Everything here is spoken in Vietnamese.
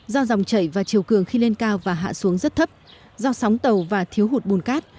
do dòng chảy và chiều cường khi lên cao và hạ xuống rất thấp do sóng tàu và thiếu hụt bùn cát